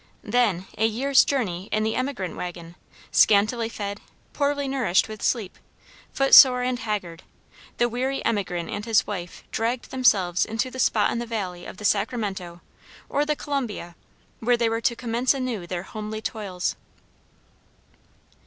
Then a year's journey in the emigrant wagon, scantily fed, poorly nourished with sleep, footsore and haggard, the weary emigrant and his wife dragged themselves into the spot in the valley of the Sacramento, or the Columbia, where they were to commence anew their homely toils!